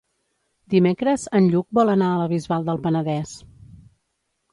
Dimecres en Lluc vol anar a la Bisbal del Penedès.